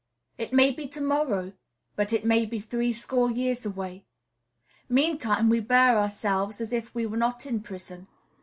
It may be to morrow; but it may be threescore years away. Meantime, we bear ourselves as if we were not in prison.